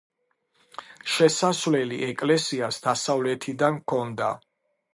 შესასვლელი ეკლესიას დასავლეთიდან ჰქონდა.